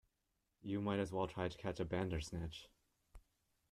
You might as well try to catch a Bandersnatch!